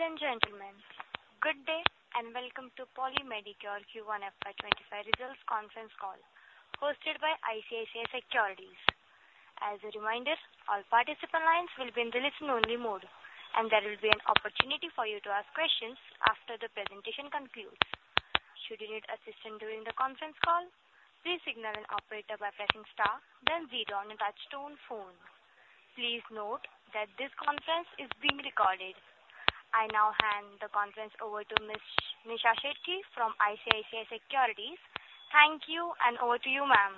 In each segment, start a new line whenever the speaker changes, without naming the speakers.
Ladies and gentlemen, good day, and welcome to Poly Medicure Q1 FY 2025 Results Conference Call, hosted by ICICI Securities. As a reminder, all participant lines will be in listen-only mode, and there will be an opportunity for you to ask questions after the presentation concludes. Should you need assistance during the conference call, please signal an operator by pressing star then zero on your touchtone phone. Please note that this conference is being recorded. I now hand the conference over to Ms. Nisha Shetty from ICICI Securities. Thank you, and over to you, ma'am.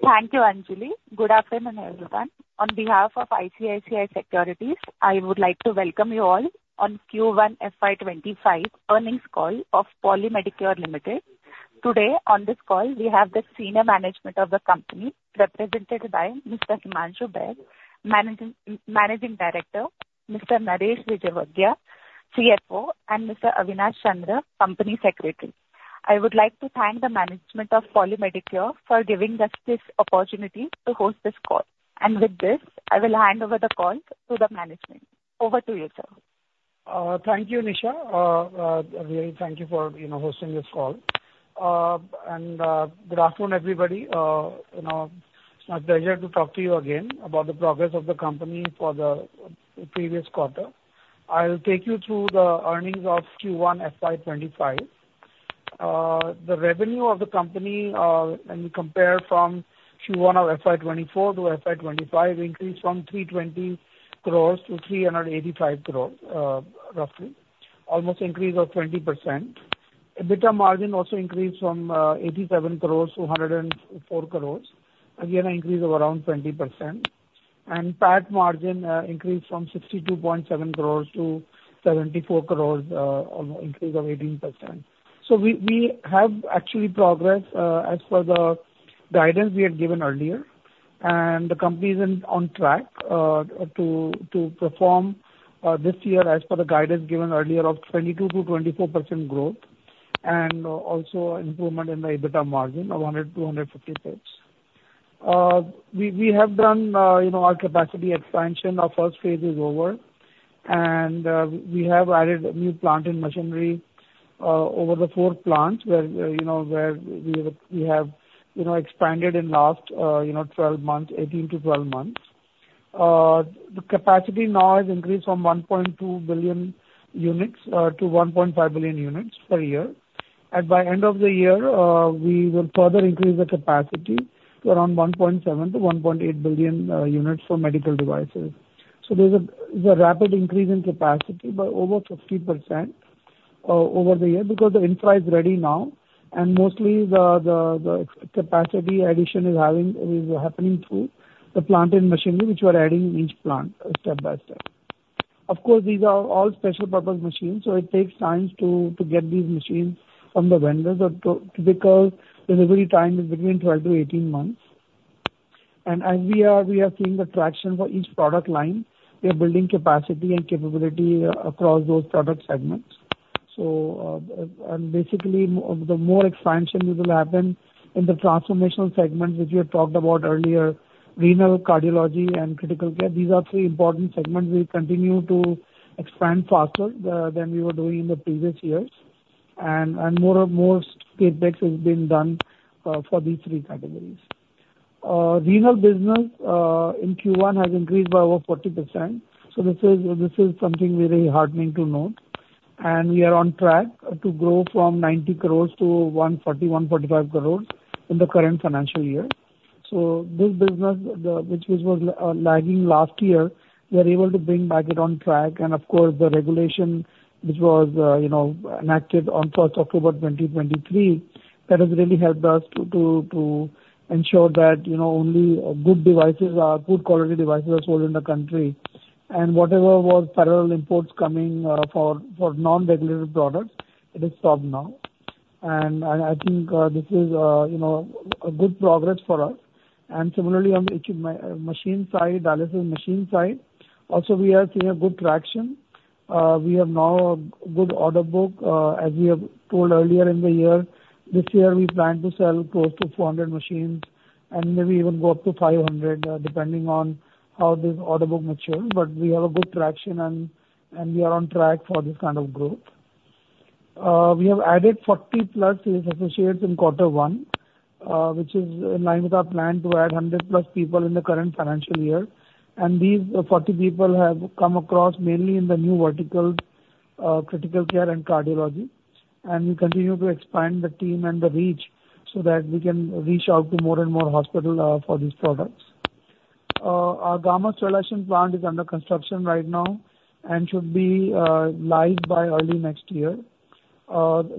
Thank you, Anjali. Good afternoon, everyone. On behalf of ICICI Securities, I would like to welcome you all on Q1 FY 2025 Earnings Call of Poly Medicure Limited. Today, on this call, we have the senior management of the company, represented by Mr. Himanshu Baid, Managing Director, Mr. Naresh Vijayvergia, CFO, and Mr. Avinash Chandra, Company Secretary. I would like to thank the management of Poly Medicure for giving us this opportunity to host this call. With this, I will hand over the call to the management. Over to you, sir.
Thank you, Nisha. Really thank you for, you know, hosting this call. Good afternoon, everybody. You know, it's my pleasure to talk to you again about the progress of the company for the previous quarter. I'll take you through the earnings of Q1 FY 2025. The revenue of the company, when you compare from Q1 of FY 2024-FY 2025, increased from 320 crores-385 crores, roughly. Almost increase of 20%. EBITDA margin also increased from 87 crores-104 crores. Again, an increase of around 20%. PAT margin increased from 62.7 crores-74 crores, on increase of 18%. So we have actually progressed as per the guidance we had given earlier, and the company is on track to perform this year as per the guidance given earlier of 22%-24% growth and also improvement in the EBITDA margin of 100-150 basis points. We have done you know our capacity expansion. Our first phase is over, and we have added new plant and machinery over the four plants where you know where we have you know expanded in last 12 months, 18-12 months. The capacity now has increased from 1.2 billion units-1.5 billion units per year, and by end of the year, we will further increase the capacity to around 1.7-1.8 billion units for medical devices. So there's a rapid increase in capacity by over 50% over the year, because the infra is ready now, and mostly the capacity addition is happening through the plant and machinery, which we are adding in each plant step by step. Of course, these are all special purpose machines, so it takes time to get these machines from the vendors, because delivery time is between 12-18 months. As we are seeing the traction for each product line, we are building capacity and capability across those product segments. So, basically, the more expansion which will happen in the transformational segments, which we had talked about earlier, renal, cardiology, and critical care. These are three important segments we continue to expand faster than we were doing in the previous years. More and more CapEx has been done for these three categories. Renal business in Q1 has increased by over 40%. So this is something very heartening to note, and we are on track to grow from 90 crore to 140-145 crore in the current financial year. So this business, which was lagging last year, we are able to bring it back on track. And of course, the regulation, which was, you know, enacted on first October 2023, that has really helped us to ensure that, you know, only good devices, good quality devices are sold in the country. And whatever was parallel imports coming for non-regulated products, it is stopped now. And I think, you know, a good progress for us. And similarly on the machine side, dialysis machine side, also we are seeing a good traction. We have now a good order book. As we have told earlier in the year, this year, we plan to sell close to 400 machines, and maybe even go up to 500, depending on how this order book matures. But we have a good traction, and we are on track for this kind of growth. We have added 40+ sales associates in quarter one, which is in line with our plan to add 100+ people in the current financial year. These 40 people have come across mainly in the new verticals, critical care and cardiology. We continue to expand the team and the reach, so that we can reach out to more and more hospital for these products. Our gamma sterilization plant is under construction right now and should be live by early next year.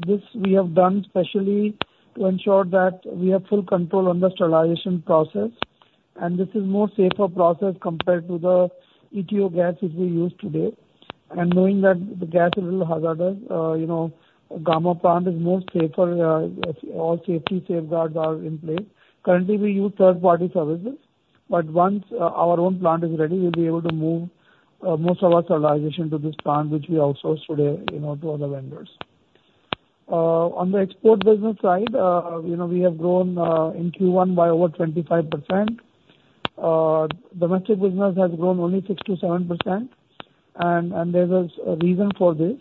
This we have done specially to ensure that we have full control on the sterilization process, and this is more safer process compared to the EtO gas, which we use today. Knowing that the gas is a little hazardous, you know, gamma plant is more safer, as all safety safeguards are in place. Currently, we use third-party services, but once our own plant is ready, we'll be able to move most of our sterilization to this plant, which we outsource today, you know, to other vendors. On the export business side, you know, we have grown in Q1 by over 25%. Domestic business has grown only 6%-7%, and there's a reason for this.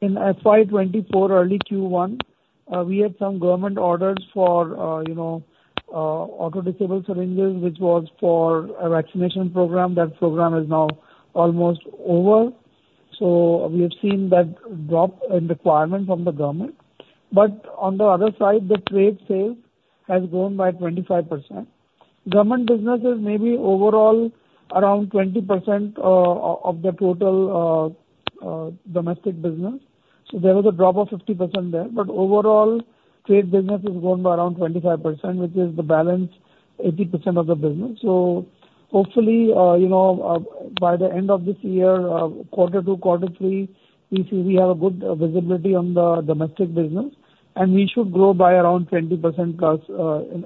In FY 2024, early Q1, we had some government orders for, you know, auto disable syringes, which was for a vaccination program. That program is now almost over. So we have seen that drop in requirement from the government. But on the other side, the trade sales has grown by 25%. Government businesses may be overall around 20% of the total domestic business. So there was a drop of 50% there. But overall, trade business has grown by around 25%, which is the balance 80% of the business. So hopefully, you know, by the end of this year, quarter two, quarter three, we see we have a good visibility on the domestic business, and we should grow by around 20%+,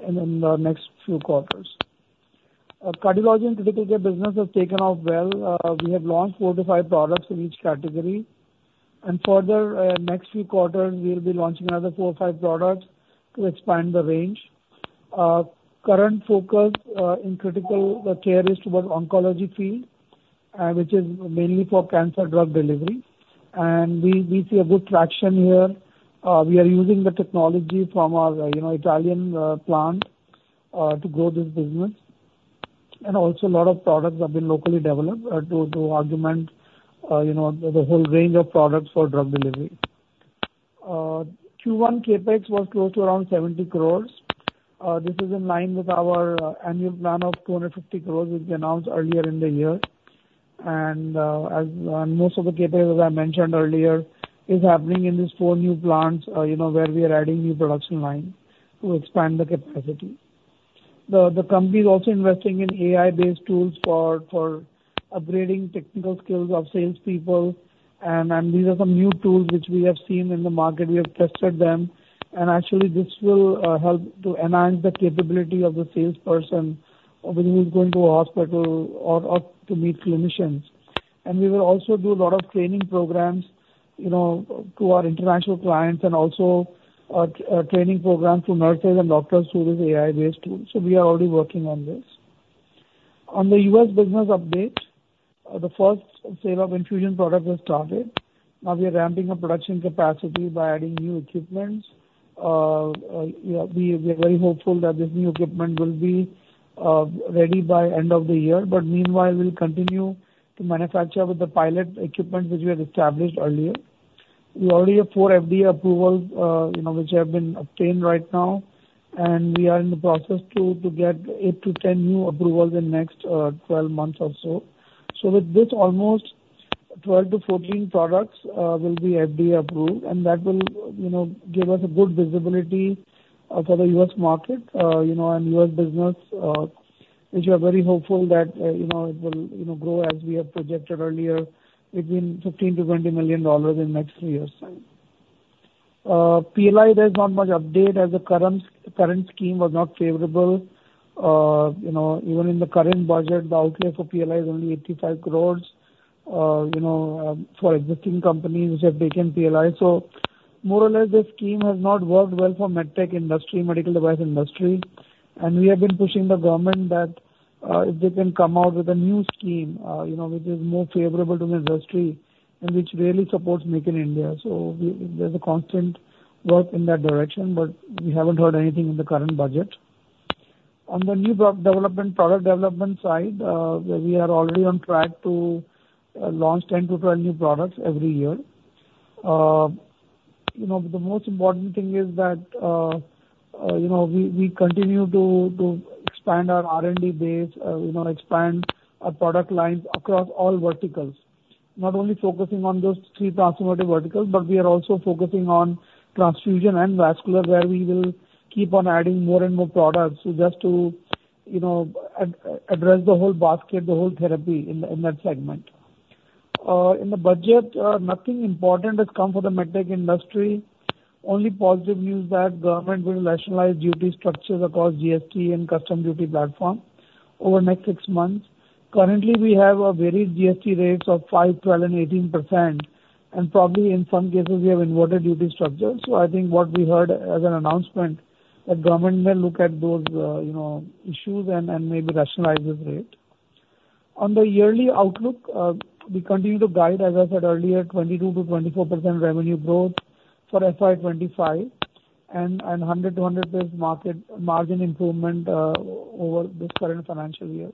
in the next few quarters. Cardiology and critical care business has taken off well. We have launched four to five products in each category, and further, next few quarters, we'll be launching another four to five products to expand the range. Current focus in critical care is towards oncology field, which is mainly for cancer drug delivery. And we, we see a good traction here. We are using the technology from our, you know, Italian, plant, to grow this business. And also, a lot of products have been locally developed, to, to augment, you know, the whole range of products for drug delivery. Q1 CapEx was close to around 70 crore. This is in line with our annual plan of 250 crore, which we announced earlier in the year. And, as, and most of the CapEx, as I mentioned earlier, is happening in these 4 new plants, you know, where we are adding new production line to expand the capacity. The company is also investing in AI-based tools for, for upgrading technical skills of salespeople. And these are some new tools which we have seen in the market. We have tested them, and actually, this will help to enhance the capability of the salesperson when he's going to a hospital or to meet clinicians. We will also do a lot of training programs, you know, to our international clients and also a training program to nurses and doctors through this AI-based tools. So we are already working on this. On the US business update, the first sale of infusion products has started. Now we are ramping up production capacity by adding new equipment. We are very hopeful that this new equipment will be ready by end of the year. But meanwhile, we'll continue to manufacture with the pilot equipment which we had established earlier. We already have 4 FDA approvals, you know, which have been obtained right now, and we are in the process to get 8-10 new approvals in next 12 months or so. So with this, almost 12-14 products will be FDA approved, and that will, you know, give us a good visibility for the U.S. market, you know, and U.S. business, which we are very hopeful that, you know, it will, you know, grow as we have projected earlier, between $15 million-$20 million in next three years' time. PLI, there's not much update as the current scheme was not favorable. You know, even in the current budget, the outlay for PLI is only 85 crores for existing companies which have taken PLI. So more or less, this scheme has not worked well for med tech industry, medical device industry, and we have been pushing the government that, if they can come out with a new scheme, you know, which is more favorable to the industry and which really supports Make in India. So there's a constant work in that direction, but we haven't heard anything in the current budget. On the new product development, product development side, we are already on track to launch 10-12 new products every year. You know, the most important thing is that, you know, we, we continue to, to expand our R&D base, you know, expand our product lines across all verticals. Not only focusing on those three transformative verticals, but we are also focusing on transfusion and vascular, where we will keep on adding more and more products just to, you know, address the whole basket, the whole therapy in that segment. In the budget, nothing important has come for the med tech industry. Only positive news that government will rationalize duty structures across GST and customs duty platform over the next six months. Currently, we have a varied GST rates of 5, 12, and 18%, and probably in some cases, we have inverted duty structure. So I think what we heard as an announcement, that government may look at those, you know, issues and maybe rationalize this rate. On the yearly outlook, we continue to guide, as I said earlier, 22%-24% revenue growth for FY 2025 and 100-100 basis margin improvement over this current financial year.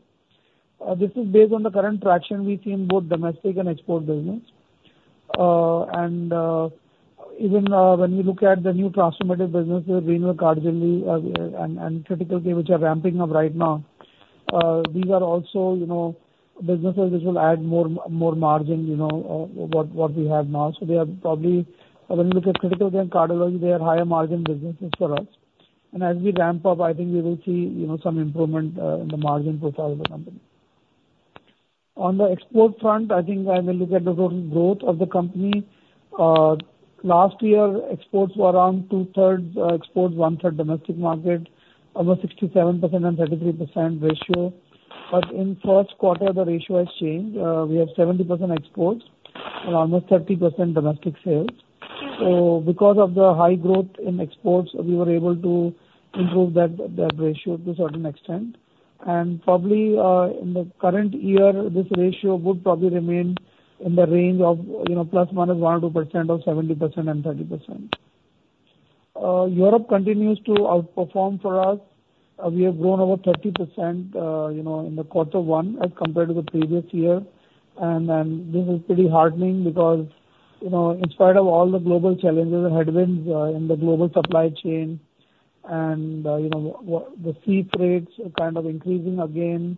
This is based on the current traction we see in both domestic and export business. Even when we look at the new transformative businesses, renal, cardiology, and critical care, which are ramping up right now, these are also, you know, businesses which will add more margin, you know, what we have now. So they are probably, when you look at critical care and cardiology, they are higher margin businesses for us. And as we ramp up, I think we will see, you know, some improvement in the margin profile of the company. On the export front, I think I will look at the total growth of the company. Last year, exports were around 2/3 exports, one-third domestic market, almost 67% and 33% ratio. But in first quarter, the ratio has changed. We have 70% exports, around 30% domestic sales. So because of the high growth in exports, we were able to improve that ratio to a certain extent. And probably, in the current year, this ratio would probably remain in the range of, you know, ±1 or 2% of 70% and 30%. Europe continues to outperform for us. We have grown over 30%, you know, in the quarter one as compared to the previous year. And then this is pretty heartening because, you know, in spite of all the global challenges and headwinds, in the global supply chain and, you know, the sea freights are kind of increasing again.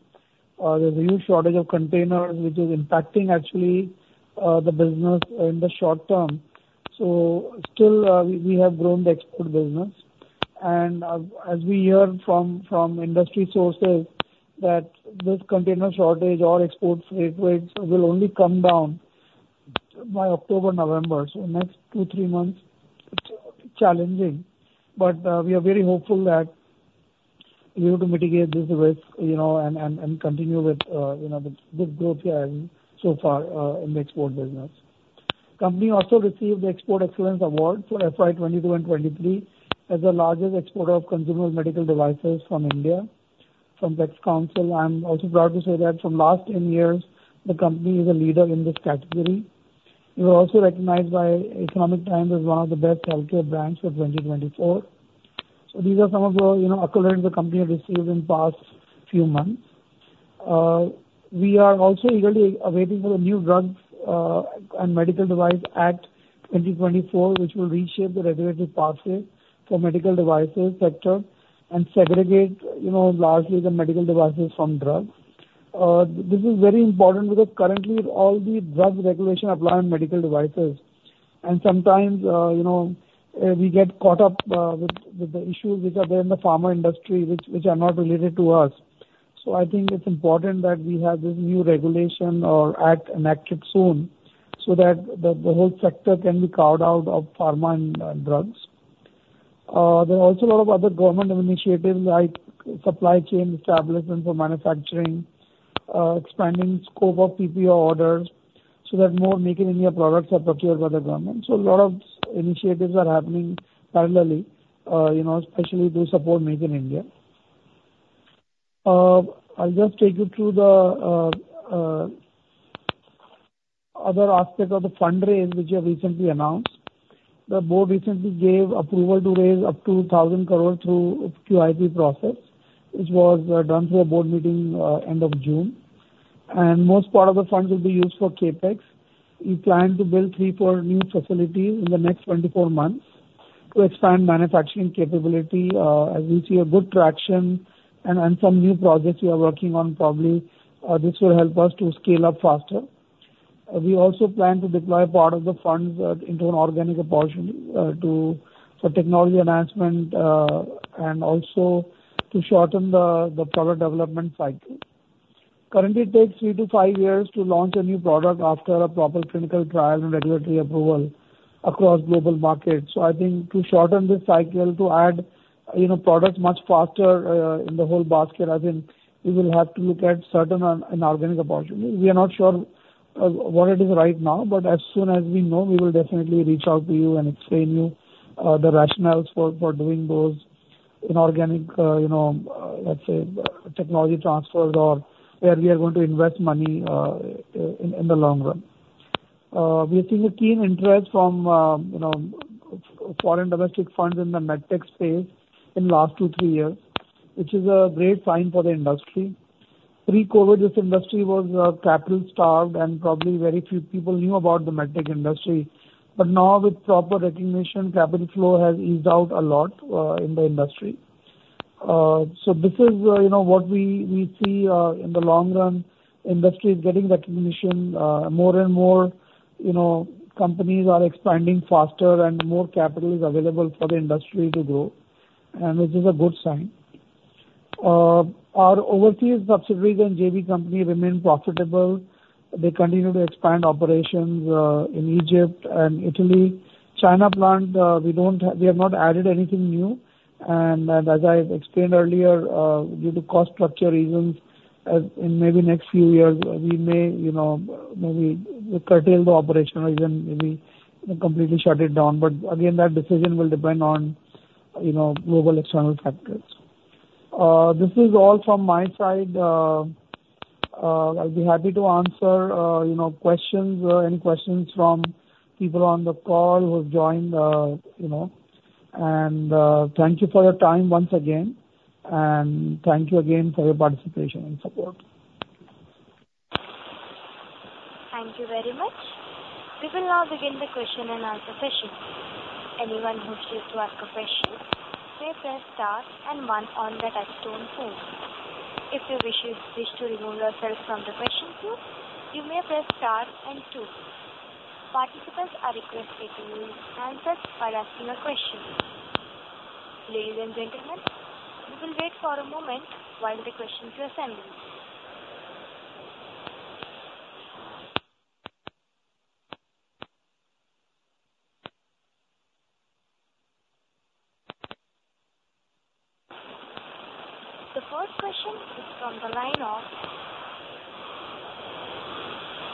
There's a huge shortage of containers, which is impacting actually, the business in the short term. So still, we have grown the export business. And as we hear from industry sources, that this container shortage or export freight rates will only come down by October, November. So next two, three months, it's challenging, but, we are very hopeful that we will be able to mitigate this risk, you know, and continue with, you know, the this growth we are having so far, in the export business. Company also received the Export Excellence Award for FY 2022 and 2023, as the largest exporter of consumer medical devices from India, from PLEXCONCIL. I'm also proud to say that from last 10 years, the company is a leader in this category. We were also recognized by The Economic Times as one of the best healthcare brands for 2024. So these are some of the, you know, accolades the company has received in past few months. We are also eagerly awaiting for the new drugs and medical device Act, 2024, which will reshape the regulatory pathway for medical devices sector and segregate, you know, largely the medical devices from drugs. This is very important because currently all the drug regulation apply on medical devices, and sometimes, you know, we get caught up, with, with the issues which are there in the pharma industry, which, which are not related to us. So I think it's important that we have this new regulation or act enacted soon, so that the whole sector can be carved out of pharma and drugs. There are also a lot of other government initiatives like supply chain establishment for manufacturing, expanding scope of PPO orders so that more Make in India products are procured by the government. So a lot of initiatives are happening parallelly, you know, especially to support Make in India. I'll just take you through the other aspect of the fund raise, which we have recently announced. The board recently gave approval to raise up to 1,000 crore through QIP process, which was done through a board meeting end of June. Most part of the funds will be used for CapEx. We plan to build three or four new facilities in the next 24 months to expand manufacturing capability, as we see a good traction and some new projects we are working on. Probably, this will help us to scale up faster. We also plan to deploy part of the funds into an inorganic opportunity for technology enhancement and also to shorten the product development cycle. Currently, it takes three-five years to launch a new product after a proper clinical trial and regulatory approval across global markets. So I think to shorten this cycle, to add, you know, products much faster, in the whole basket, I think we will have to look at certain inorganic opportunity. We are not sure what it is right now, but as soon as we know, we will definitely reach out to you and explain to you the rationales for doing those inorganic, you know, let's say, technology transfers or where we are going to invest money in the long run. We have seen a keen interest from, you know, foreign domestic funds in the med tech space in last two to three years, which is a great sign for the industry. Pre-COVID, this industry was capital-starved, and probably very few people knew about the med tech industry. But now with proper recognition, capital flow has eased out a lot in the industry. So this is, you know, what we see in the long run. Industry is getting recognition, more and more, you know, companies are expanding faster and more capital is available for the industry to grow, and which is a good sign. Our overseas subsidiaries and JV company remain profitable. They continue to expand operations in Egypt and Italy. China plant, we have not added anything new. As I explained earlier, due to cost structure reasons, in maybe next few years, we may, you know, maybe curtail the operation or even maybe completely shut it down. But again, that decision will depend on, you know, global external factors. This is all from my side. I'll be happy to answer, you know, questions, any questions from people on the call who've joined, you know. Thank you for your time once again, and thank you again for your participation and support.
Thank you very much. We will now begin the question and answer session. Anyone who wishes to ask a question, may press star and one on the touchtone phone. If you wish to remove yourself from the question queue, you may press star and two. Participants are requested to mute themselves while asking a question. Ladies and gentlemen, we will wait for a moment while the questions are assembled. The first question is from the line of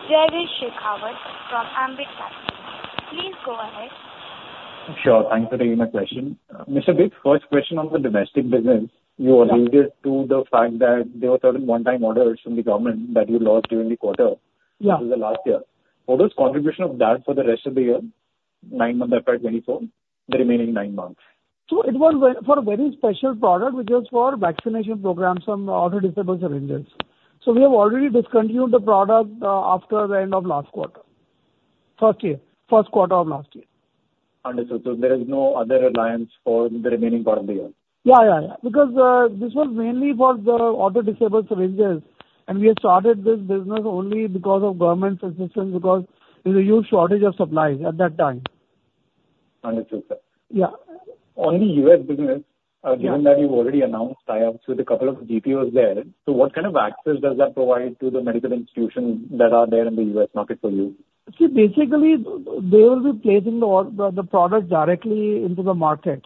Damini Shekhawat from Ambit Capital. Please go ahead.
Sure. Thanks for taking my question. Mr. Baid, first question on the domestic business. You alluded to the fact that there were certain one-time orders from the government that you lost during the quarter-
Yeah.
in the last year. What was contribution of that for the rest of the year, nine months, FY 2024, the remaining nine months?
So it was for a very special product, which was for vaccination programs from Auto Disable Syringes. So we have already discontinued the product after the end of last quarter. First year, first quarter of last year.
Understood. So there is no other reliance for the remaining part of the year?
Yeah, yeah, yeah, because, this was mainly for the Auto Disable Syringes, and we had started this business only because of government's assistance, because there's a huge shortage of supplies at that time.
Understood, sir.
Yeah.
On the U.S. business,
Yeah.
Given that you've already announced tie-ups with a couple of GPOs there, so what kind of access does that provide to the medical institutions that are there in the U.S. market for you?
See, basically, they will be placing the product directly into the market,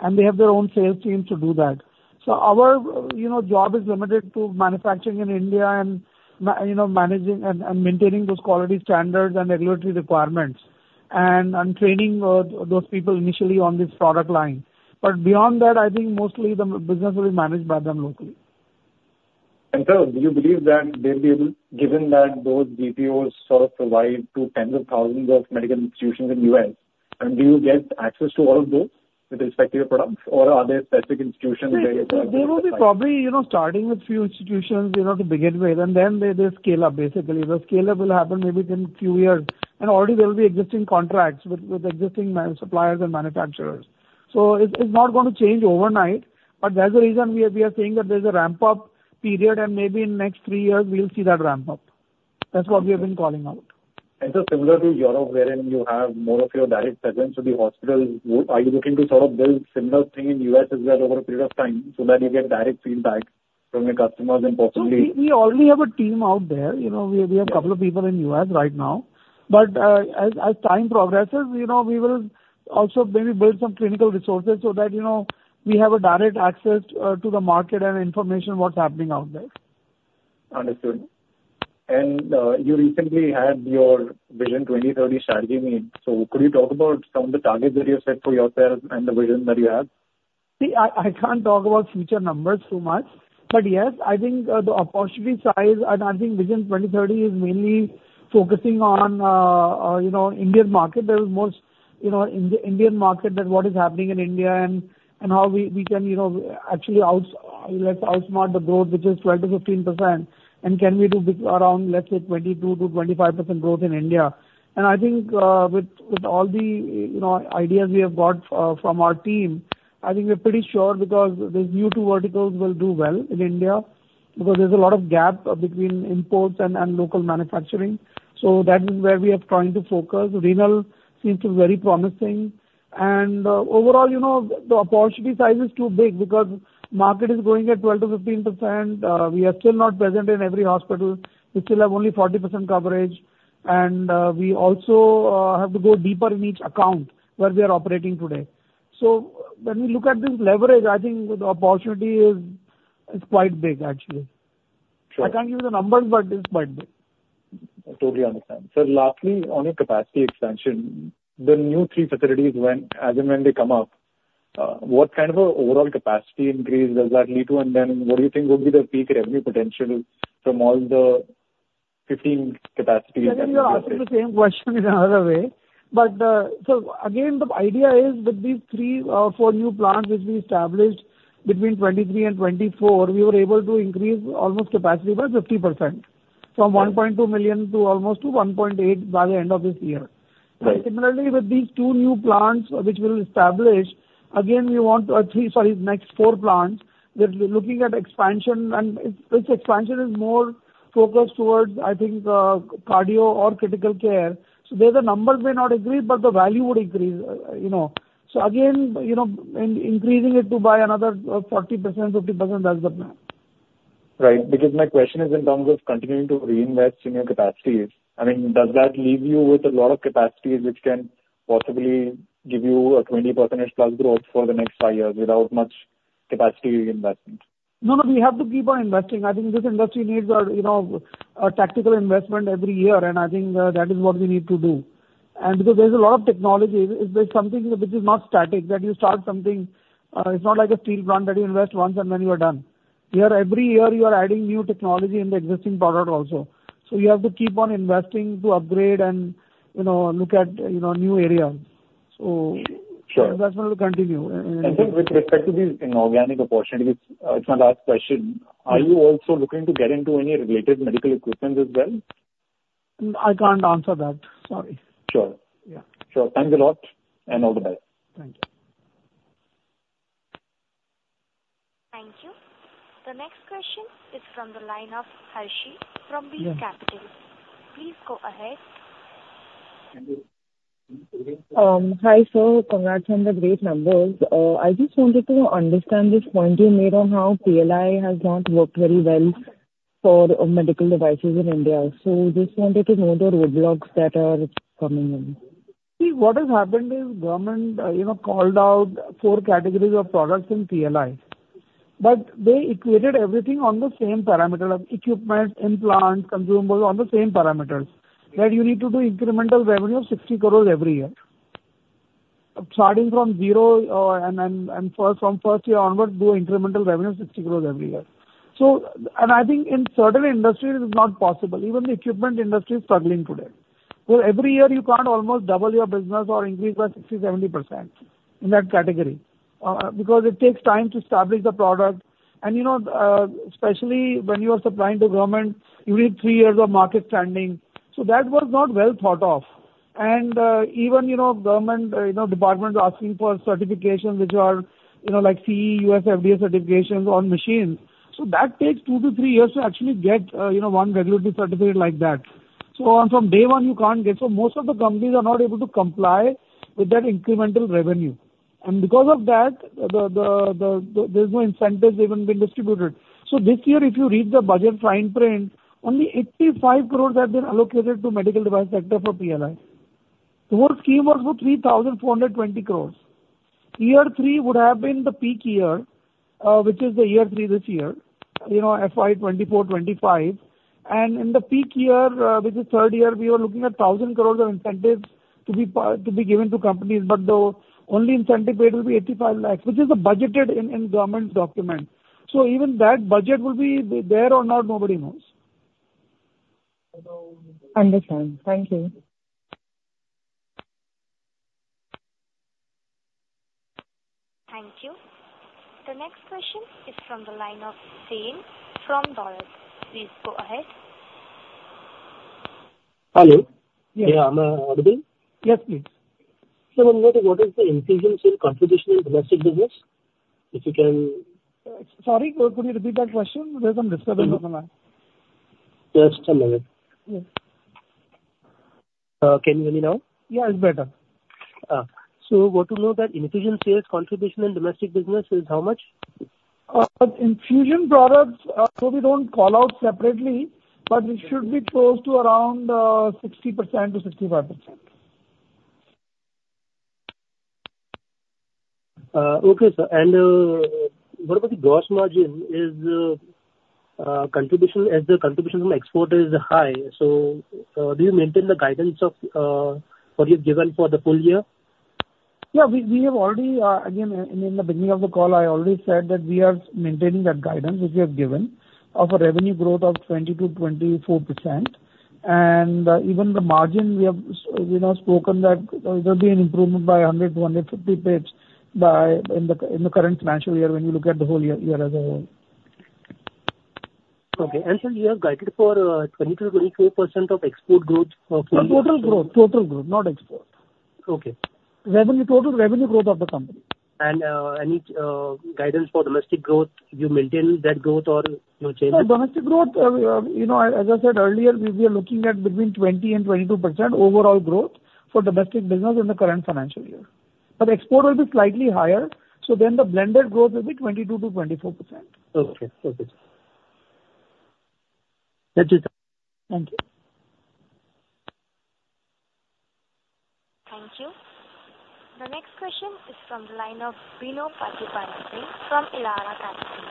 and they have their own sales team to do that. So our, you know, job is limited to manufacturing in India and, you know, managing and maintaining those quality standards and regulatory requirements, and training those people initially on this product line. But beyond that, I think mostly the business will be managed by them locally.
And so do you believe that they'll be able, given that those GPOs sort of provide to tens of thousands of medical institutions in the U.S., and do you get access to all of those with respect to your products, or are there specific institutions where you provide?
They will be probably, you know, starting with few institutions, you know, to begin with, and then they scale up. Basically, the scale-up will happen maybe within few years, and already there will be existing contracts with existing suppliers and manufacturers. So it's not going to change overnight, but that's the reason we are saying that there's a ramp-up period, and maybe in next three years we'll see that ramp up. That's what we have been calling out.
And so similar to Europe, wherein you have more of your direct presence with the hospitals, are you looking to sort of build similar thing in U.S. as well over a period of time, so that you get direct feedback from your customers and possibly-
So we, we already have a team out there. You know, we, we have a couple of people in U.S. right now. But, as, as time progresses, you know, we will also maybe build some clinical resources so that, you know, we have a direct access, to the market and information what's happening out there.
Understood. And, you recently had your Vision 2030 strategy meet. So could you talk about some of the targets that you have set for yourself and the vision that you have?
See, I can't talk about future numbers so much. But yes, I think, the opportunity size, and I think Vision 2030 is mainly focusing on, you know, Indian market. There is most, you know, Indian market, that what is happening in India and how we can, you know, actually outsmart the growth, which is 12%-15%, and can we do be around, let's say, 22%-25% growth in India. And I think, with all the, you know, ideas we have got, from our team, I think we're pretty sure because these new two verticals will do well in India, because there's a lot of gap between imports and local manufacturing. So that is where we are trying to focus. Renal seems to be very promising. Overall, you know, the opportunity size is too big because market is growing at 12%-15%. We are still not present in every hospital. We still have only 40% coverage, and, we also, have to go deeper in each account where we are operating today. So when we look at this leverage, I think the opportunity is, is quite big, actually.
Sure.
I can't give you the numbers, but it's quite big.
I totally understand. So lastly, on your capacity expansion, the new three facilities, when... as and when they come up, what kind of a overall capacity increase does that lead to? And then, what do you think would be the peak revenue potential from all the 15 capacity increases?
You are asking the same question in another way. But so again, the idea is with these three to four new plants, which we established between 2023 and 2024, we were able to increase our capacity by 50%, from 1.2 million to almost 1.8 by the end of this year.
Right.
Similarly, with these two new plants which we'll establish, again, we want to achieve, sorry, next four plants, we're looking at expansion, and its expansion is more focused towards, I think, cardio or critical care. So there, the numbers may not agree, but the value would increase, you know. So again, you know, increasing it to by another 40%-50%, that's the plan.
Right. Because my question is in terms of continuing to reinvest in your capacities, I mean, does that leave you with a lot of capacities which can possibly give you a 20%+ growth for the next five years without much capacity investment?
No, no, we have to keep on investing. I think this industry needs a, you know, a tactical investment every year, and I think that is what we need to do. And because there's a lot of technology, it, it's something which is not static, that you start something... It's not like a steel plant that you invest once and then you are done. Here, every year you are adding new technology in the existing product also. So you have to keep on investing to upgrade and, you know, look at, you know, new areas. So-
Sure.
Investment will continue.
Sir, with respect to these, you know, organic opportunities, it's my last question: Are you also looking to get into any related medical equipments as well?
I can't answer that. Sorry.
Sure.
Yeah.
Sure. Thanks a lot, and all the best.
Thank you.
Thank you. The next question is from the line of Harsh Jhaveri from B Capital. Please go ahead.
Hi, sir. Congrats on the great numbers. I just wanted to understand this point you made on how PLI has not worked very well... for medical devices in India. So just wanted to know the roadblocks that are coming in.
See, what has happened is government, you know, called out four categories of products in PLI, but they equated everything on the same parameter of equipment, implants, consumables, on the same parameters, that you need to do incremental revenue of 60 crore every year. Starting from zero, and then, and first, from first year onwards, do incremental revenue of 60 crore every year. So. And I think in certain industries, it is not possible. Even the equipment industry is struggling today. So every year you can't almost double your business or increase by 60%-70% in that category, because it takes time to establish the product. And, you know, especially when you are supplying to government, you need three years of market trending. So that was not well thought of. Even, you know, government, you know, departments are asking for certifications which are, you know, like CE, USFDA certifications on machines. So that takes two to three years to actually get, you know, one regulatory certificate like that. So from day one, you can't get. So most of the companies are not able to comply with that incremental revenue. And because of that, the, the, the, there's no incentives even being distributed. So this year, if you read the budget fine print, only 85 crore have been allocated to medical device sector for PLI. The whole scheme was for 3,420 crore. Year three would have been the peak year, which is the year three this year, you know, FY 2024-2025. In the peak year, which is third year, we are looking at 1,000 crore of incentives to be paid to companies, but the only incentive paid will be 85 lakh, which is the budgeted in government document. So even that budget will be there or not, nobody knows.
Understand. Thank you.
Thank you. The next question is from the line of Zain from Bharat. Please go ahead.
Hello.
Yes.
Yeah, am I audible?
Yes, please.
What is the infusion sale contribution in domestic business? If you can-
Sorry, could you repeat that question? There's some disturbance on the line.
Just a minute.
Yes.
Can you hear me now?
Yeah, it's better.
Want to know that infusion sales contribution in domestic business is how much?
Infusion products, so we don't call out separately, but it should be close to around 60%-65%.
Okay, sir. What about the gross margin? Is contribution, as the contribution from export is high, so do you maintain the guidance of what you've given for the full year?
Yeah, we, we have already, again, in the beginning of the call, I already said that we are maintaining that guidance which we have given, of a revenue growth of 20%-24%. And, even the margin, we have, you know, spoken that there will be an improvement by 100-150 basis points... in the, in the current financial year, when you look at the whole year, year as a whole.
Okay. And so you have guided for 20%-24% export growth for-
No, total growth. Total growth, not export.
Okay.
Revenue total, revenue growth of the company.
And any guidance for domestic growth? Do you maintain that growth or you change it?
For domestic growth, you know, as I said earlier, we are looking at between 20% and 22% overall growth for domestic business in the current financial year. But export will be slightly higher, so then the blended growth will be 22%-24%.
Okay. Okay. That is all. Thank you.
Thank you. The next question is from the line of Bino Pathiparampil from Elara Capital.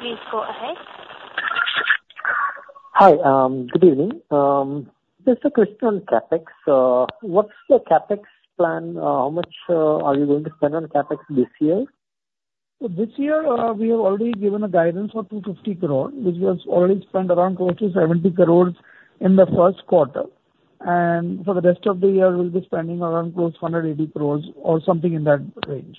Please go ahead.
Hi, good evening. Just a question on CapEx. What's the CapEx plan? How much are you going to spend on CapEx this year?
So this year, we have already given a guidance for 250 crore, which was already spent around close to 70 crores in the first quarter. And for the rest of the year, we'll be spending around close to 180 crores or something in that range.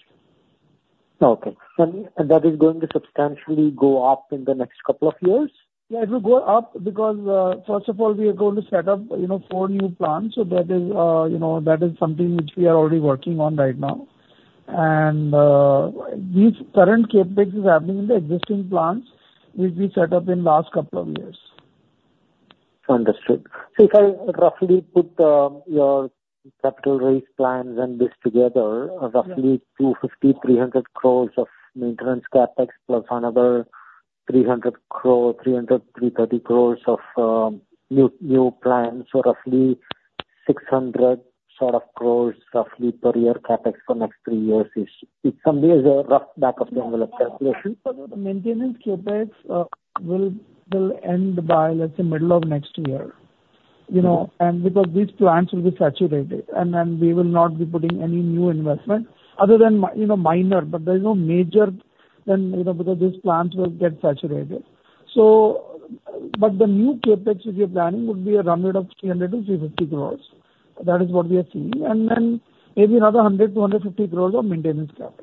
Okay. And that is going to substantially go up in the next couple of years?
Yeah, it will go up because, first of all, we are going to set up, you know, four new plants. So that is, you know, that is something which we are already working on right now. And, this current CapEx is happening in the existing plants, which we set up in last couple of years.
Understood. So if I roughly put, your capital raise plans and this together-
Yeah.
Roughly 250-300 crore of maintenance CapEx, plus another 300-330 crore of new plants. So roughly 600 crore sort of per year CapEx for next three years-ish. It's something as a rough back-of-the-envelope calculation.
The maintenance CapEx will end by, let's say, middle of next year.
Okay.
You know, and because these plants will be saturated, and then we will not be putting any new investment other than you know, minor, but there's no major, then you know, because these plants will get saturated. So, but the new CapEx, which we're planning, would be a run rate of 300-350 crores. That is what we are seeing. And then maybe another 100-150 crores of maintenance CapEx.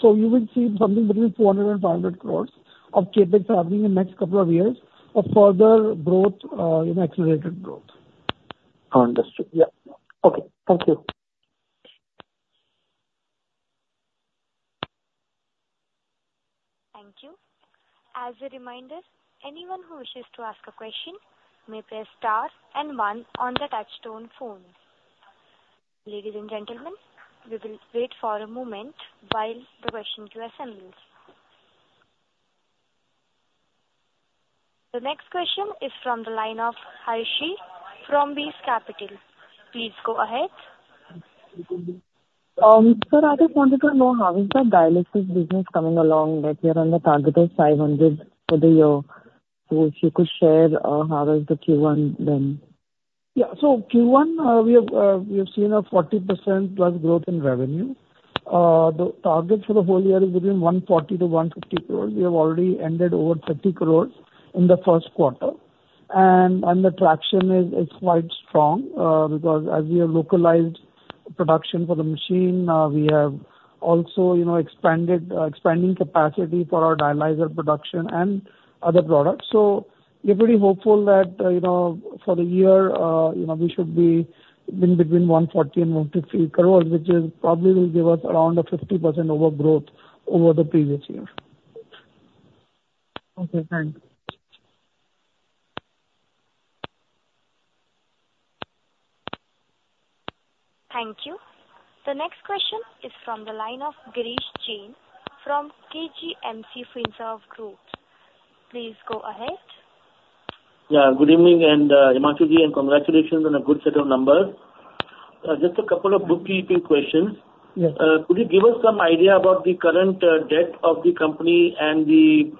So you will see something between 400-500 crores of CapEx happening in next couple of years of further growth, you know, accelerated growth.
Understood. Yeah. Okay, thank you.
Thank you. As a reminder, anyone who wishes to ask a question may press star and one on the touch-tone phone.... Ladies and gentlemen, we will wait for a moment while the question queue assembles. The next question is from the line of Harshi from Wise Capital. Please go ahead.
Sir, I just wanted to know, how is the dialysis business coming along, that you're on the target of 500 for the year. So if you could share, how is the Q1 then?
Yeah. So Q1, we have, we have seen a 40%+ growth in revenue. The target for the whole year is within 140-150 crores. We have already ended over 30 crores in the first quarter. And the traction is quite strong, because as we have localized production for the machine, we have also, you know, expanded, expanding capacity for our dialyzer production and other products. So we're pretty hopeful that, you know, for the year, you know, we should be in between 140 and 150 crores, which is probably will give us around a 50% over growth over the previous year.
Okay, thank you.
Thank you. The next question is from the line of Girish Jain from KJMC Financial Services. Please go ahead.
Yeah, good evening, and, Himanshu Ji, and congratulations on a good set of numbers. Just a couple of bookkeeping questions.
Yes.
Could you give us some idea about the current debt of the company and the,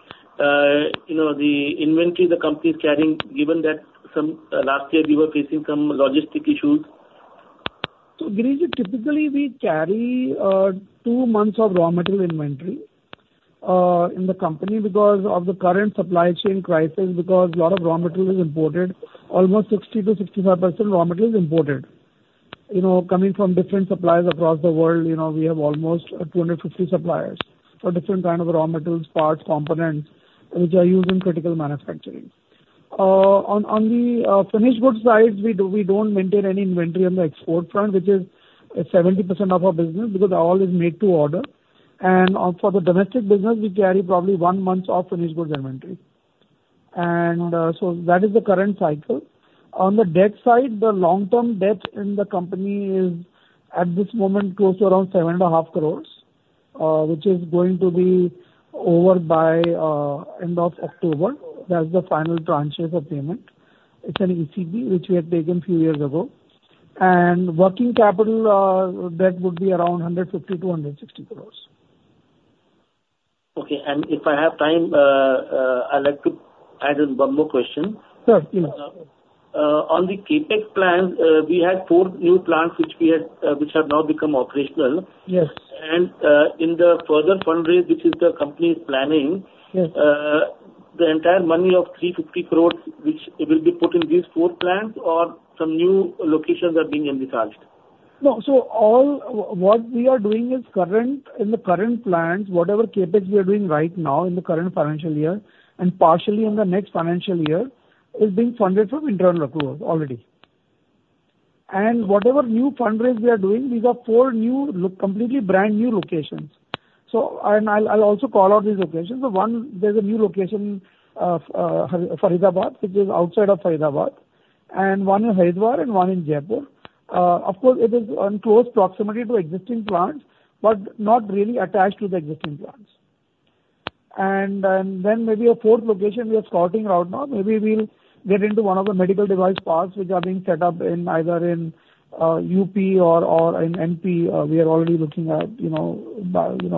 you know, the inventory the company is carrying, given that some last year we were facing some logistical issues?
So Girish, typically, we carry two months of raw material inventory in the company because of the current supply chain crisis, because a lot of raw material is imported. Almost 60-65% raw material is imported. You know, coming from different suppliers across the world, you know, we have almost 250 suppliers for different kind of raw materials, parts, components, which are used in critical manufacturing. On the finished goods side, we don't maintain any inventory on the export front, which is 70% of our business, because all is made to order. And for the domestic business, we carry probably one month of finished goods inventory. So that is the current cycle. On the debt side, the long-term debt in the company is, at this moment, close to around 7.5 crores, which is going to be over by end of October. That's the final tranche as of payment. It's an ECB, which we had taken a few years ago. And working capital debt would be around 150-160 crores.
Okay. And if I have time, I'd like to add in one more question.
Sure. Yeah.
On the CapEx plans, we had four new plants which we had, which have now become operational.
Yes.
And, in the further fundraise, which is the company's planning-
Yes...
the entire money of 350 crore, which will be put in these four plants or some new locations are being envisaged?
No, so all, what we are doing is current, in the current plants, whatever CapEx we are doing right now in the current financial year and partially in the next financial year, is being funded from internal accrual already. And whatever new fundraise we are doing, these are four new completely brand-new locations. So and I'll also call out these locations. So one, there's a new location, Faridabad, which is outside of Faridabad, and one in Haridwar and one in Jaipur. Of course, it is in close proximity to existing plants, but not really attached to the existing plants. And then maybe a fourth location we are scouting around now. Maybe we'll get into one of the medical device parks which are being set up in either in UP or in MP. We are already looking at, you know, you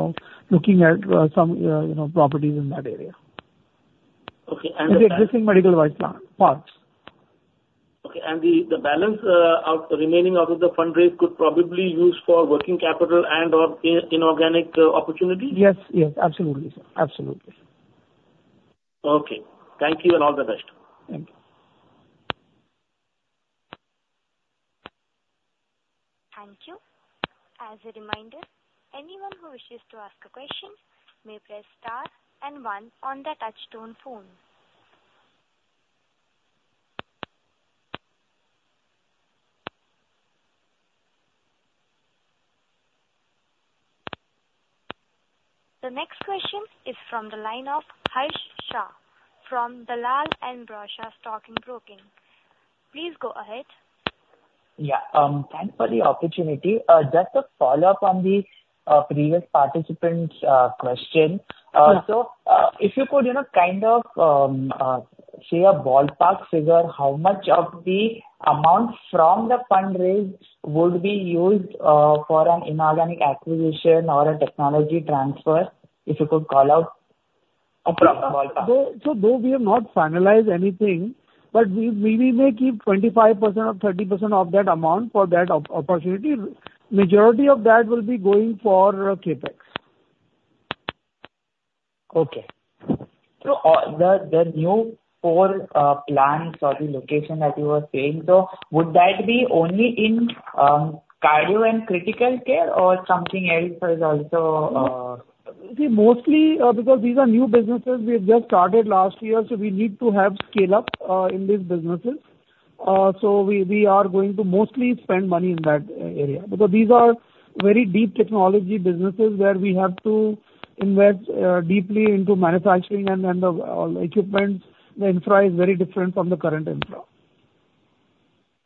know, looking at, some, you know, properties in that area.
Okay, and-
The existing medical device parks.
Okay, and the balance remaining out of the fundraise could probably use for working capital and/or inorganic opportunities?
Yes, yes, absolutely, sir. Absolutely.
Okay. Thank you, and all the best.
Thank you.
Thank you. As a reminder, anyone who wishes to ask a question may press star and one on their touchtone phone. The next question is from the line of Harsh Shah, from Dalal & Broacha Stock Broking. Please go ahead.
Yeah, thanks for the opportunity. Just a follow-up on the previous participant's question.
Sure.
So, if you could, you know, kind of, say a ballpark figure, how much of the amount from the fundraise would be used for an inorganic acquisition or a technology transfer, if you could call out approximately?
So though we have not finalized anything, but we will keep 25% or 30% of that amount for that opportunity. Majority of that will be going for CapEx.
Okay. So, the new four plants or the location that you were saying, so would that be only in cardio and critical care or something else is also?
See, mostly, because these are new businesses, we have just started last year, so we need to have scale up in these businesses. So we, we are going to mostly spend money in that area. Because these are very deep technology businesses, where we have to invest deeply into manufacturing and, and the equipment. The infra is very different from the current infra.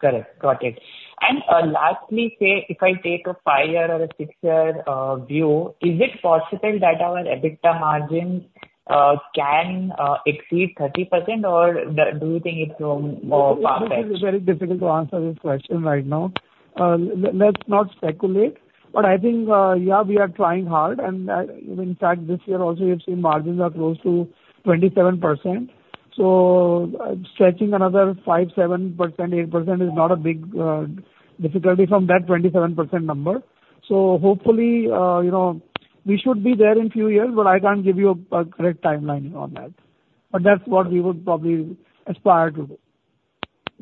...Correct. Got it. And, lastly, say, if I take a five-year or a six-year view, is it possible that our EBITDA margin can exceed 30%, or do you think it will far-fetched?
This is very difficult to answer this question right now. Let's not speculate, but I think, yeah, we are trying hard, and, in fact, this year also, you've seen margins are close to 27%. So stretching another five, 7%, 8% is not a big difficulty from that 27% number. So hopefully, you know, we should be there in few years, but I can't give you a correct timeline on that. But that's what we would probably aspire to do.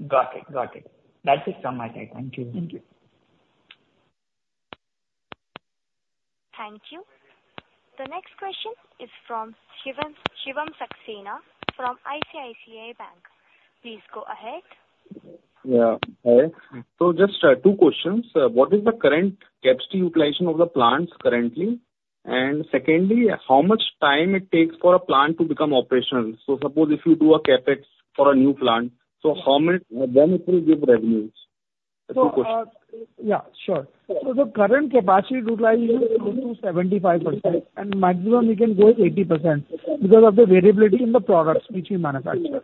Got it. Got it. That's it from my side.
Thank you.
Thank you.
Thank you. The next question is from Shivam, Shivam Saxena, from ICICI Bank. Please go ahead.
Yeah. Hi. So just, two questions: what is the current capacity utilization of the plants currently? And secondly, how much time it takes for a plant to become operational? So suppose if you do a CapEx for a new plant, so how much, when it will give revenues? Two questions.
So, yeah, sure. So the current capacity utilization is close to 75%, and maximum we can go is 80% because of the variability in the products which we manufacture.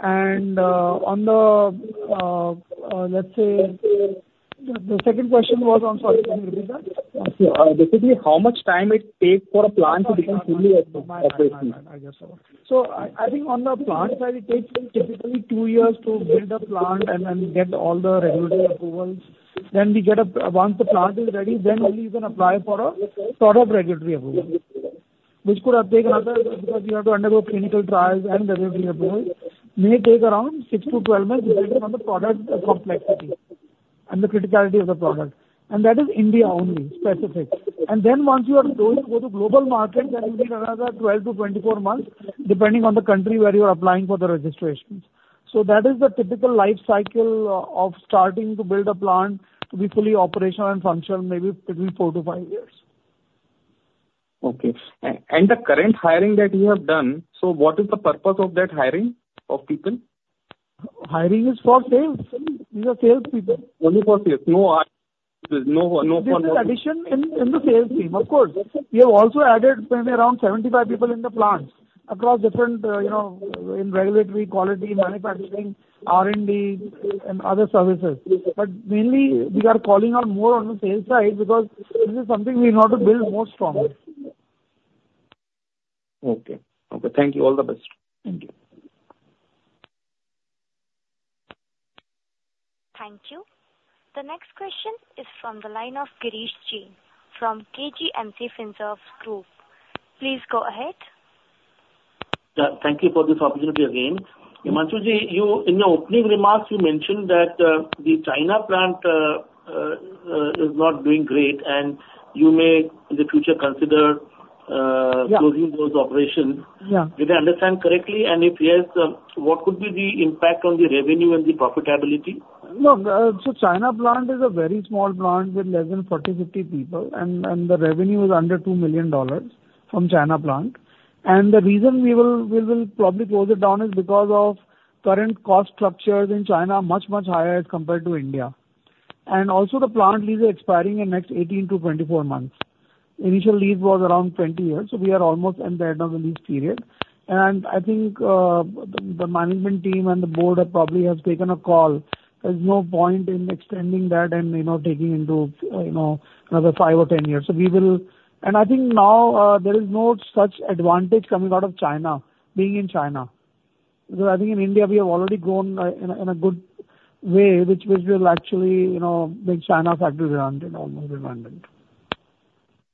And, on the, let's say, the second question was on, sorry, can you repeat that?
Basically, how much time it takes for a plant to become fully operational?
I guess so. So I think on the plant side, it takes typically two years to build a plant and get all the regulatory approvals. Once the plant is ready, then only you can apply for a product regulatory approval, which could take another, because you have to undergo clinical trials and regulatory approval, may take around six to twelve months, depending on the product complexity and the criticality of the product, and that is India only, specific. And then once you are going to go to global market, then you need another 12-24 months, depending on the country where you are applying for the registrations. So that is the typical life cycle of starting to build a plant to be fully operational and functional, maybe between four to five years.
Okay. And the current hiring that you have done, so what is the purpose of that hiring of people?
Hiring is for sales. These are sales people.
Only for sales. No, no for-
This is addition in, in the sales team, of course. We have also added maybe around 75 people in the plants across different, you know, in regulatory, quality, manufacturing, R&D and other services. But mainly we are calling out more on the sales side, because this is something we in order to build more stronger.
Okay. Okay, thank you. All the best. Thank you.
Thank you. The next question is from the line of Girish Jain, from KJMC Financial Services. Please go ahead.
Yeah, thank you for this opportunity again. Himanshu Ji, you, in the opening remarks, you mentioned that, the China plant, is not doing great, and you may, in the future, consider,
Yeah...
closing those operations.
Yeah.
Did I understand correctly? If yes, what could be the impact on the revenue and the profitability?
No, so China plant is a very small plant with less than 40, 50 people, and the revenue is under $2 million from China plant. And the reason we will probably close it down is because of current cost structures in China are much, much higher as compared to India. And also, the plant lease are expiring in next 18-24 months. Initial lease was around 20 years, so we are almost at the end of the lease period. And I think, the management team and the board have probably has taken a call. There's no point in extending that and, you know, taking into, you know, another five or 10 years. So we will... And I think now, there is no such advantage coming out of China, being in China. I think in India, we have already grown in a good way, which will actually, you know, make China factory redundant or more redundant.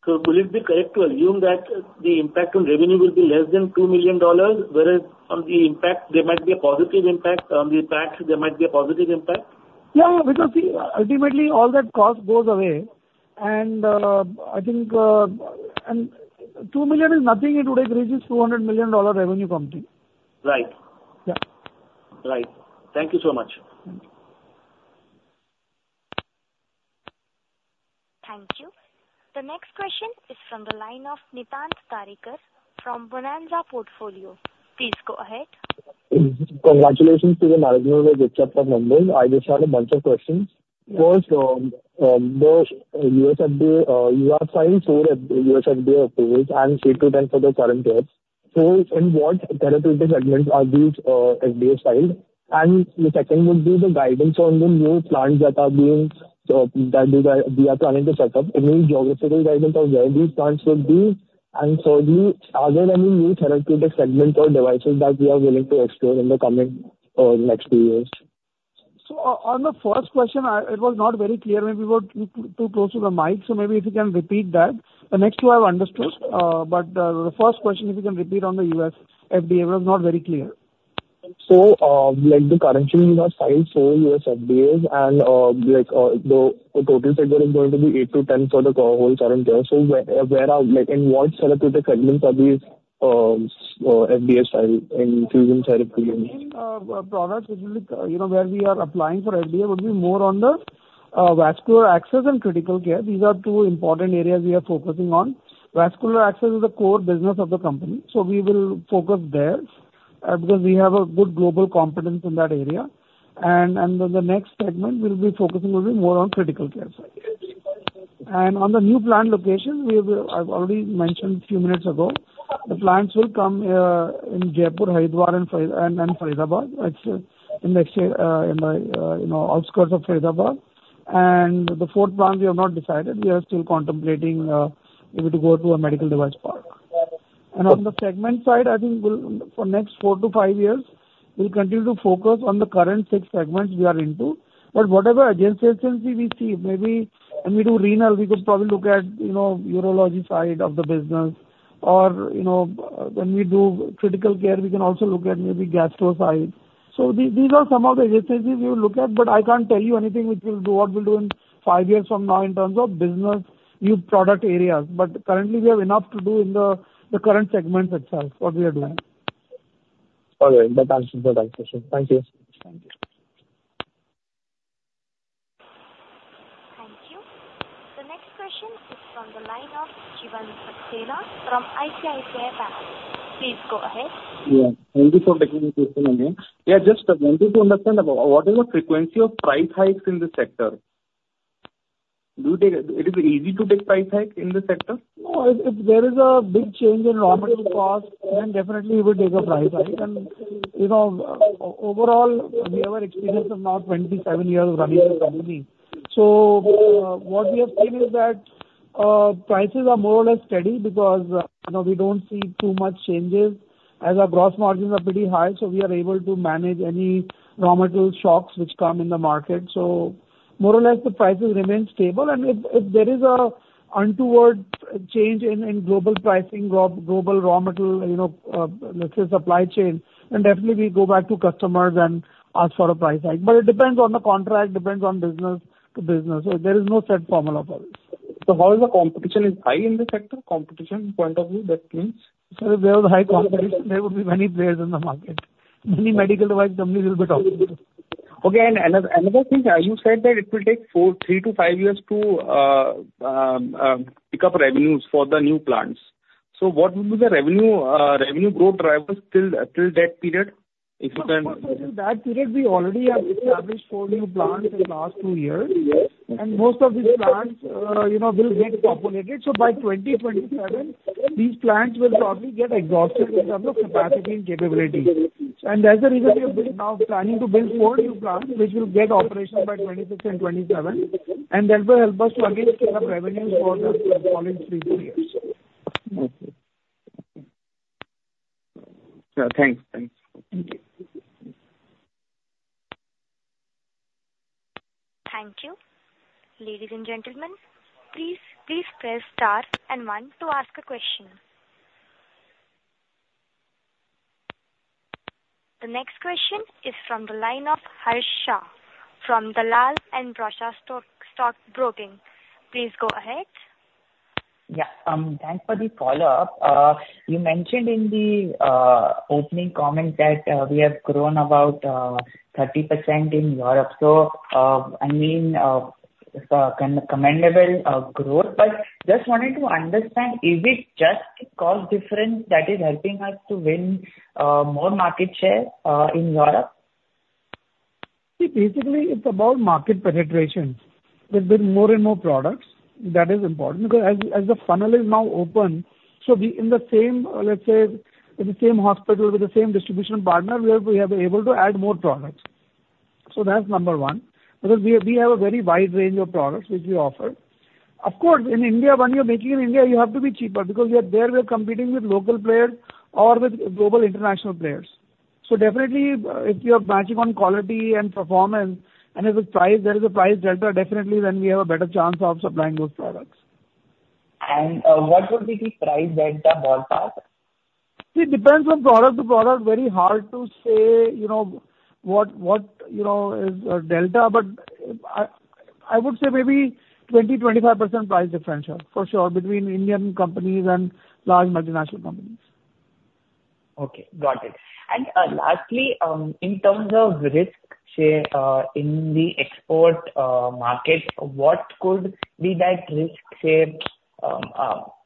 So would it be correct to assume that the impact on revenue will be less than $2 million, whereas on the impact there might be a positive impact, on the tax, there might be a positive impact?
Yeah, yeah, because ultimately, all that cost goes away. And I think, and $2 million is nothing in today's range is $200 million dollar revenue company.
Right.
Yeah.
Right. Thank you so much.
Thank you. The next question is from the line of Nitin Tarekar from Bonanza Portfolio. Please go ahead.
Congratulations to the management of the chapter members. I just had a bunch of questions. First, the US FDA, you are filing for US FDA approvals and 3-10 for the current year. So in what therapeutic segments are these, FDA filed? And the second would be the guidance on the new plants that are being, that you are, you are planning to set up. Any geographical guidance on where these plants would be, and thirdly, are there any new therapeutic segments or devices that we are willing to explore in the coming, next few years?
So on the first question, it was not very clear. Maybe you were too close to the mic, so maybe if you can repeat that. The next two I've understood, but the first question, if you can repeat on the US FDA, it was not very clear.
So, like, currently, you have filed for U.S. FDA and, like, the total figure is going to be 8-10 for the whole current year. So where are, like, in what therapeutic segments are these FDA filed in infusion therapeutics?
Products, which will be, you know, where we are applying for FDA will be more on the vascular access and critical care. These are two important areas we are focusing on. Vascular access is the core business of the company, so we will focus there, because we have a good global competence in that area. And then the next segment, we'll be focusing a little more on critical care side. And on the new plant location, we have, I've already mentioned a few minutes ago, the plants will come in Jaipur, Haridwar, and Faridabad. It's in the, you know, outskirts of Faridabad. And the fourth plant we have not decided. We are still contemplating, maybe to go to a medical device park. On the segment side, I think we'll, for next four to five years, we'll continue to focus on the current six segments we are into. But whatever adjacencies we see, maybe when we do renal, we could probably look at, you know, urology side of the business, or, you know, when we do critical care, we can also look at maybe gastro side. So these are some of the adjacencies we will look at, but I can't tell you anything which we'll do, what we'll do in 5 years from now in terms of business, new product areas. But currently, we have enough to do in the current segments itself, what we are doing.
All right. That answers the question. Thank you. Thank you.
Thank you. The next question is from the line of Shivam Saxena from ICICI Bank. Please go ahead.
Yeah. Thank you for taking the question again. Yeah, just wanted to understand what is the frequency of price hikes in the sector? Do you take? It is easy to take price hike in the sector?
No, if there is a big change in raw material cost, then definitely we will take a price hike. And, you know, overall, we have an experience of now 27 years of running this company. So, what we have seen is that, prices are more or less steady because, you know, we don't see too much changes, as our gross margins are pretty high, so we are able to manage any raw material shocks which come in the market. So more or less, the prices remain stable. And if there is an untoward change in global pricing, or global raw material, you know, let's say supply chain, then definitely we go back to customers and ask for a price hike. But it depends on the contract, depends on business to business. So there is no set formula for this.
So, how is the competition high in the sector? Competition point of view, that means.
Sir, if there was high competition, there would be many players in the market. Many medical device companies will be talking to you.
Okay, and another thing, you said that it will take 3-5 years to pick up revenues for the new plants. So what will be the revenue growth drivers till that period, if you can-
That period, we already have established four new plants in the last two years, and most of these plants, you know, will get populated. So by 2027, these plants will probably get exhausted in terms of capacity and capability. And that's the reason we are now planning to build four new plants, which will get operational by 2026 and 2027, and that will help us to again scale up revenues for the following three, four years.
Okay. Thanks. Thanks.
Thank you.
Thank you. Ladies and gentlemen, please, please press star and one to ask a question. The next question is from the line of Harsh from Dalal & Broacha Stock Broking. Please go ahead.
Yeah, thanks for the follow-up. You mentioned in the opening comment that we have grown about 30% in Europe. So, I mean, commendable growth, but just wanted to understand, is it just cost difference that is helping us to win more market share in Europe?
See, basically, it's about market penetration. There's been more and more products. That is important, because as the funnel is now open, so we in the same, let's say, in the same hospital, with the same distribution partner, we are able to add more products. So that's number one, because we have a very wide range of products which we offer. Of course, in India, when you're making in India, you have to be cheaper, because you are there, we are competing with local players or with global international players. So definitely, if you are matching on quality and performance, and if the price, there is a price delta, definitely then we have a better chance of supplying those products.
What would be the price delta ballpark?
It depends from product to product. Very hard to say, you know, what you know is delta, but I would say maybe 20%-25% price differential, for sure, between Indian companies and large multinational companies.
Okay, got it. Lastly, in terms of risk share, in the export market, what could be that risk share?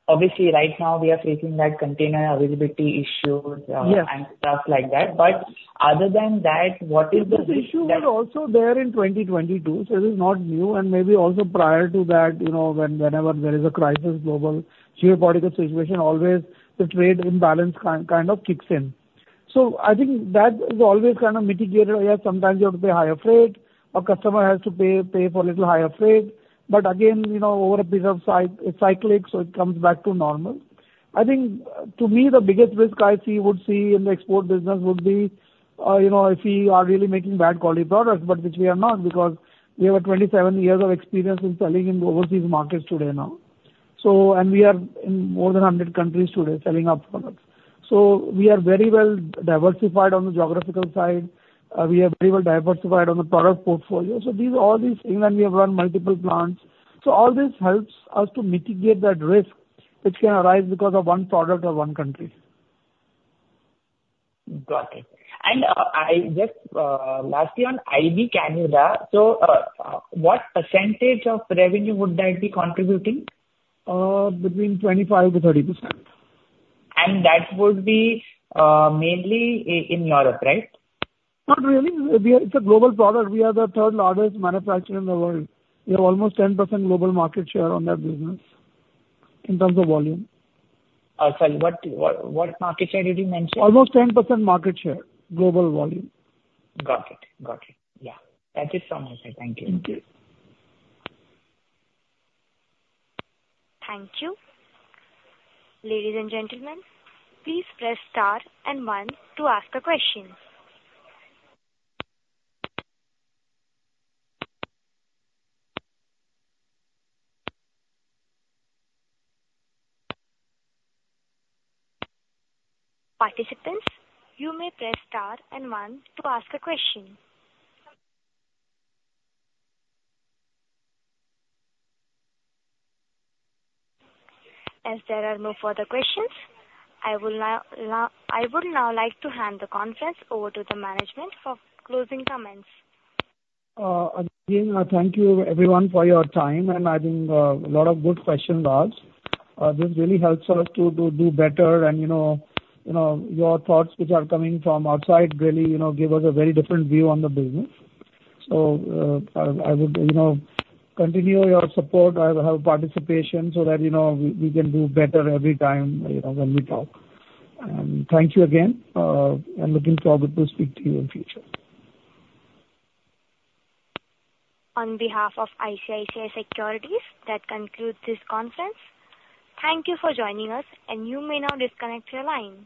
Obviously, right now we are facing that container availability issue-
Yeah...
and stuff like that. But other than that, what is the risk that-
The issue was also there in 2022, so it is not new, and maybe also prior to that, you know, when, whenever there is a crisis, global geopolitical situation, always the trade imbalance kind of kicks in. So I think that is always kind of mitigated. Yeah, sometimes you have to pay higher freight, or customer has to pay for a little higher freight. But again, you know, over a period of cyclic, so it comes back to normal. I think, to me, the biggest risk I see would see in the export business would be, you know, if we are really making bad quality products, but which we are not, because we have 27 years of experience in selling in overseas markets today now. So, and we are in more than 100 countries today, selling our products. We are very well diversified on the geographical side. We are very well diversified on the product portfolio. So these, all these things, and we have run multiple plants. So all this helps us to mitigate that risk which can arise because of one product or one country....
Got it. And, I just, lastly, on IV Cannula, so, what percentage of revenue would that be contributing?
Between 25%-30%.
That would be mainly in Europe, right?
Not really. We are. It's a global product. We are the third largest manufacturer in the world. We have almost 10% global market share on that business, in terms of volume.
Sorry, what market share did you mention?
Almost 10% market share, global volume.
Got it. Got it. Yeah. That is all from my side. Thank you.
Thank you.
Thank you. Ladies and gentlemen, please press star and one to ask a question. Participants, you may press star and one to ask a question. As there are no further questions, I will now. I would now like to hand the conference over to the management for closing comments.
Again, thank you everyone for your time, and I think, a lot of good questions asked. This really helps us to do better, and, you know, your thoughts which are coming from outside really, you know, give us a very different view on the business. So, I would, you know, continue your support, your participation, so that, you know, we can do better every time, you know, when we talk. Thank you again, I'm looking forward to speak to you in future.
On behalf of ICICI Securities, that concludes this conference. Thank you for joining us, and you may now disconnect your line.